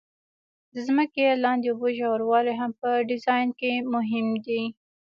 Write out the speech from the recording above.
د ځمکې لاندې اوبو ژوروالی هم په ډیزاین کې مهم دی